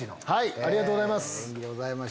ありがとうございます。